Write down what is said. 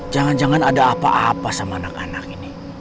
jangan jangan ada apa apa sama anak anak ini